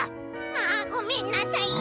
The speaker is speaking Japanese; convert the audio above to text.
「ああごめんなさい」。